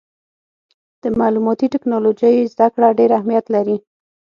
د معلوماتي ټکنالوجۍ زدهکړه ډېر اهمیت لري.